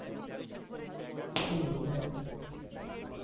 প্রথম ট্রেনটি হাওড়া ও হুগলি স্টেশনের মধ্যে যাত্রা করেছিল।